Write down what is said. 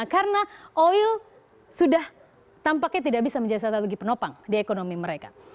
karena oil sudah tampaknya tidak bisa menjadi satu lagi penopang di ekonomi mereka